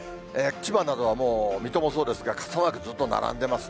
千葉などはもう水戸もそうですが、傘マークずっと並んでますね。